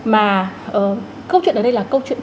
mà câu chuyện ở đây là câu chuyện